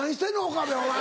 岡部お前。